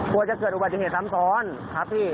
กลัวจะเกิดอุบัติเหตุซ้ำซ้อนครับพี่